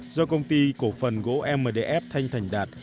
do công ty cổ phần gỗ mdf thanh thành đạt